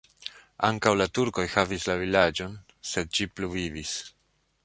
Ankaŭ la turkoj havis la vilaĝon, sed ĝi pluvivis.